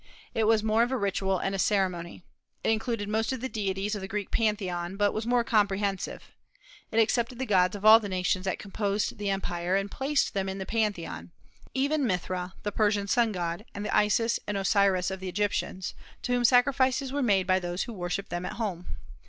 It was more of a ritual and a ceremony. It included most of the deities of the Greek Pantheon, but was more comprehensive. It accepted the gods of all the nations that composed the empire, and placed them in the Pantheon, even Mithra, the Persian sun god, and the Isis and Osiris of the Egyptians, to whom sacrifices were made by those who worshipped them at home.